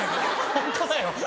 ホントだよ